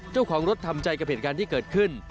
เจ้าของรถทำใจกับเหตุการณ์ที่เกิดขึ้น